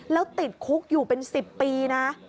แล้วติดคุกอยู่เป็น๑๐ปีนะ